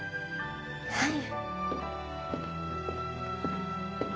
はい。